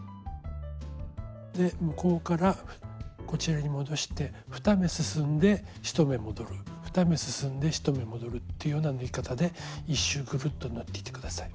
で向こうからこちらに戻して２目進んで１目戻る２目進んで１目戻るというような縫い方で１周グルッと縫っていって下さい。